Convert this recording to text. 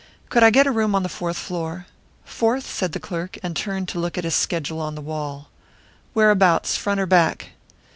Could I get a room on the fourth floor?" "Fourth?" said the clerk, and turned to look at his schedule on the wall. "Whereabouts front or back?"